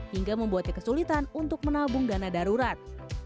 hingga membuatnya kesulitan untuk menabung dana darurat